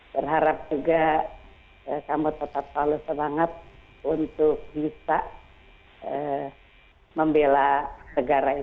berharap juga kamu tetap selalu semangat untuk bisa membela negara ini